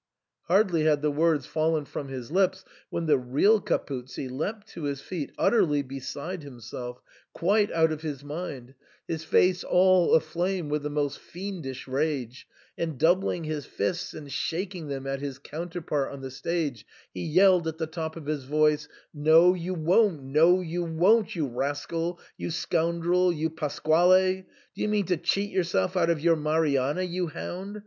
Hardly had the words fallen from his lips when the real Capuzzi leapt to his feet, utterly beside himself, quite out of his mind, his face all aflame with the most fiendish rage, and doubling his fists and shaking them at his counterpart on the stage, he yelled at the top of his voice, " No, you won't, no, you won't, you rascal ! you scoundrel, you, — Pasquale ! Do you mean to cheat yourself out of your Marianna, you hound